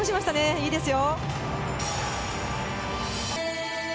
いいですよ。